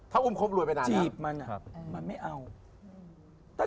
ถ้าอุ้มความรวยไปแล้วจีบมันมันไม่เอา